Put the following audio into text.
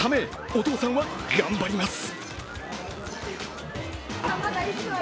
お父さんは頑張ります。